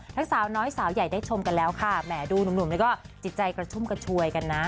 สาวน้อยสาวใหญ่ได้ชมกันแล้วค่ะแหมดูหนุ่มแล้วก็จิตใจกระชุ่มกระชวยกันนะ